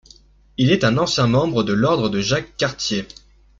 Il est un ancien membre de l'ordre de Jacques-Cartier.